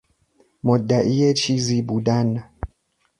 مدعی چیزی بودن